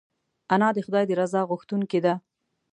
انا د خدای د رضا غوښتونکې ده